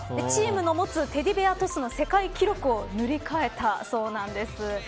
チームの持つテディベアトスの世界記録を塗り替えたそうなんです。